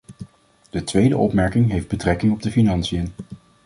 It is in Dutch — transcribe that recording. De tweede opmerking heeft betrekking op de financiën.